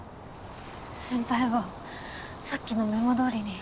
先輩はさっきのメモ通りに。